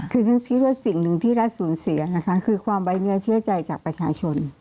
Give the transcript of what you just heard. คือฉันคิดว่าสิ่งหนึ่งที่รัฐสูญเสียนะคะคือความไว้เนื้อเชื่อใจจากประชาชน